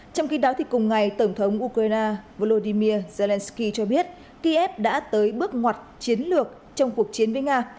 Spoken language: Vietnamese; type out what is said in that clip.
trong khi đó cùng ngày tổng thống ukraine volodymyr zelensky cho biết kiev đã tới bước ngoặt chiến lược trong cuộc chiến với nga